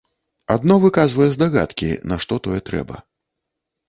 Адно выказвае здагадкі, нашто тое трэба.